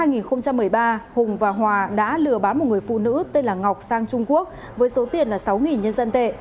năm hai nghìn một mươi ba hùng và hòa đã lừa bán một người phụ nữ tên là ngọc sang trung quốc với số tiền là sáu nhân dân tệ